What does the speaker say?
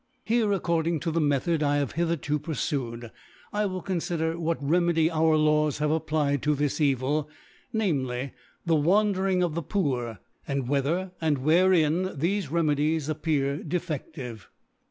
Here, according to the Method I have hitherto purfued, I will confider, what Re« medy our Laws have applied to this E\al, namely, the wandering of the Poor, and whether, and wherein thcfe Remedies ap pear defedive.